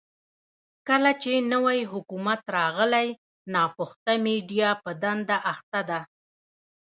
کله چې نوی حکومت راغلی، ناپخته میډيا په دنده اخته ده.